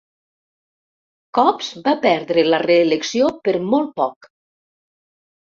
Copps va perdre la reelecció per molt poc.